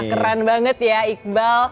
keren banget ya iqbal